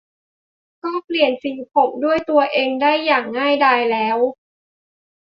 ก็เปลี่ยนสีผมด้วยตัวเองได้อย่างง่ายดายแล้ว